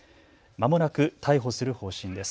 まもなく逮捕する方針です。